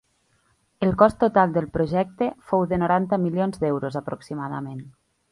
El cost total del projecte fou de noranta milions d’euros aproximadament.